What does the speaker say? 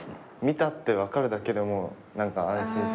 見たって分かるだけでも何か安心するっていうか。